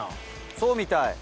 そうみたい。